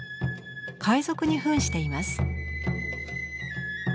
海賊に扮しています。